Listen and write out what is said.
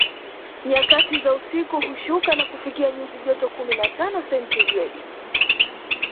Nyakati za usiku hushuka na kufikia nyuzi joto kumi na tano sentigredi